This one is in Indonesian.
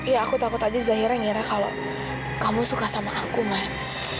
ya aku takut aja zahira ngira kalau kamu suka sama aku main